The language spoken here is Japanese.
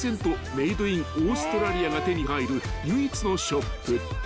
メード・イン・オーストラリアが手に入る唯一のショップ］